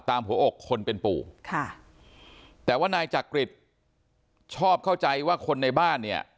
หัวอกคนเป็นปู่ค่ะแต่ว่านายจักริตชอบเข้าใจว่าคนในบ้านเนี่ย